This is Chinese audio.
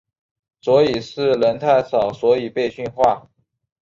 所以是人太少所以被训话？